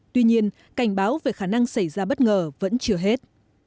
tuy nhiên cảnh báo về khả năng xảy ra bất ngờ vẫn chưa hết